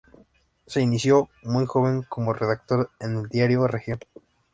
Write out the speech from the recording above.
Se inicia, muy joven, como redactor en el diario "Región".